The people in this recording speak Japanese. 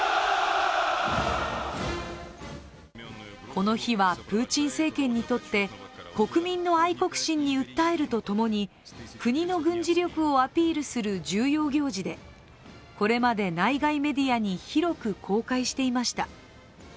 この日は、プーチン政権にとって国民の愛国心に訴えるとともに国の軍事力をアピールする重要行事でこれまで内外メディアに広く公開していました。